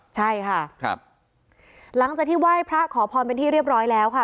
ใช่ค่ะครับหลังจากที่ไหว้พระขอพรเป็นที่เรียบร้อยแล้วค่ะ